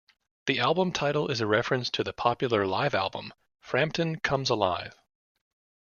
The album title is a reference to the popular live album "Frampton Comes Alive".